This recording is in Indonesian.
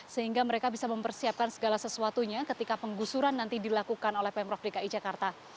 sehingga mereka bisa mempersiapkan segala sesuatunya ketika penggusuran nanti dilakukan oleh pemprov dki jakarta